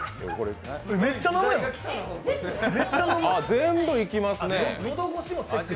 全部いきますね。